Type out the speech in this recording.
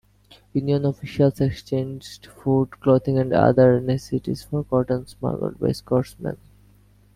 Union officials exchanged food, clothing, and other necessities for cotton smuggled by Scott's men.